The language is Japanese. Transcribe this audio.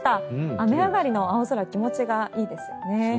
雨上がりの青空気持ちがいいですよね。